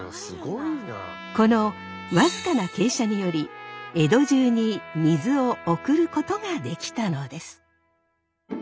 このわずかな傾斜により江戸中に水を送ることができたのです。